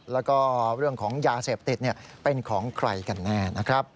แล้วก็เรื่องของยาเสพติดเป็นของใครกันแน่นะครับ